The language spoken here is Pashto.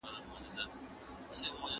راته زړه ويل چي وځغله پټېږه